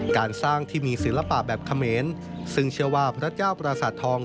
การสร้างที่มีศิลปะแบบเขมรซึ่งเชื่อว่าพระเจ้าประสาททอง